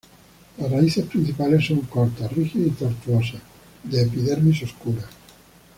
Las raíces principales son cortas, rígidas y tortuosas, de epidermis oscura.